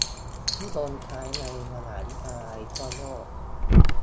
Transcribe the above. นิยมใช้ในมหาวิทยาลัยทั่วโลก